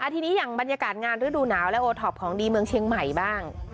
ทีนี้อย่างบรรยากาศงานฤดูหนาวและโอท็อปของดีเมืองเชียงใหม่บ้าง